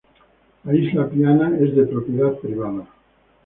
La Isla Piana es de propiedad privada.